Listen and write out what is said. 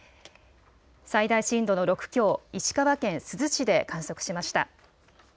最大震度の６強、石川県珠洲市で観測しました。